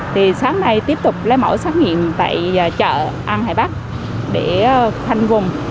thì sáng nay tiếp tục lấy mẫu xét nghiệm tại chợ an hải bắc để khoanh vùng